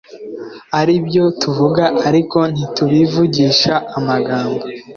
ari byo tuvuga ariko ntitubivugisha amagambo